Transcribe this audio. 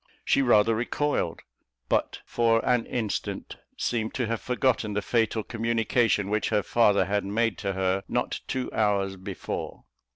She rather recoiled; but for an instant seemed to have forgotten the fatal communication which her father had made to her not two hours before.